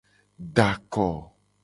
Da ako.